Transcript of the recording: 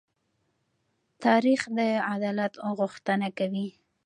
تاریخ د عدالت غوښتنه کوي.